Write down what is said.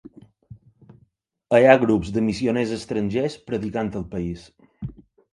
Hi ha grups de missioners estrangers predicant al país.